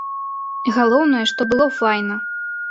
Галоўнае, што было файна!